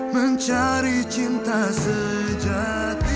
mencari cinta sejati